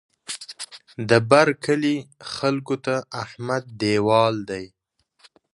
د بر کلي خلکو ته احمد دېوال دی.